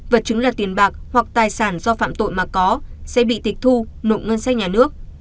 vật chứng là tiền bạc hoặc tài sản do phạm tội mà có sẽ bị tịch thu nộp ngân sách nhà nước